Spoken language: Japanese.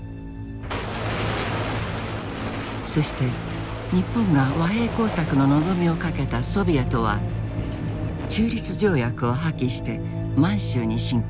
そして日本が和平工作の望みをかけたソビエトは中立条約を破棄して満州に侵攻した。